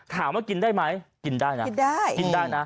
ถามว่ากินได้ไหมกินได้นะกินได้